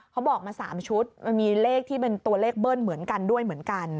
เขาบอกมา๓ชุดมันมีเลขที่เป็นตัวเลขเบิ้ลเหมือนกันด้วยเหมือนกัน